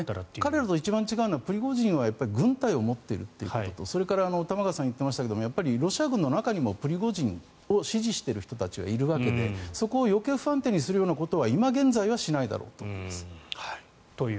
彼らと一番違うのはプリゴジン氏は軍隊を持っているということとそれから玉川さんが言っていましたがロシア軍の中にもプリゴジンを支持している人たちはいるわけでそこを余計不安定にするようなことは今現在はしないだろうと思います。